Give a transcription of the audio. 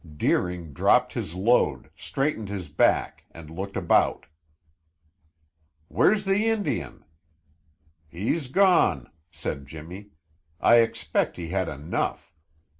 Deering dropped his load, straightened his back and looked about. "Where's the Indian?" "He's gone," said Jimmy. "I expect he had enough.